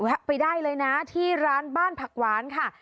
ไปได้เลยนะที่ร้านบ้านผักหวานค่ะ